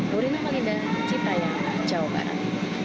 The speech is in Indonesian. nurina malinda cipta yang jauh barat